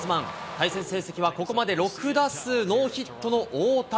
対戦成績は、ここまで６打数ノーヒットの大谷。